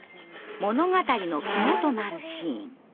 物語の肝となるシーン。